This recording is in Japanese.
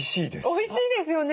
おいしいですよね。